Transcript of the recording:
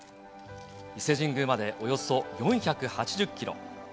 伊勢神宮までおよそ４８０キロ。